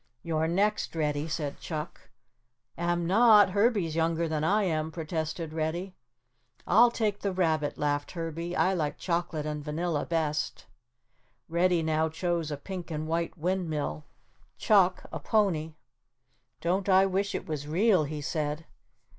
"You're next, Reddy," said Chuck. "Am not; Herbie's younger than I am," protested Reddy. "I'll take the rabbit," laughed Herbie. "I like chocolate and vanilla best." Reddy now chose a pink and white wind mill, Chuck a pony. "Don't I wish it was real," he said.